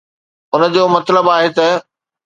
ان جو مطلب آهي ته.